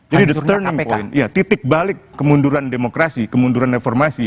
jadi the turning point titik balik kemunduran demokrasi kemunduran reformasi